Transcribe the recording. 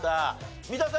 三田さん